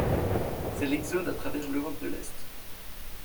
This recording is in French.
C’est l’exode à travers l’Europe de l’est.